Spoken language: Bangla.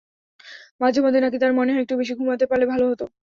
মাঝেমধ্যে নাকি তাঁর মনে হয়, একটু বেশি ঘুমাতে পারলে ভালো হতো।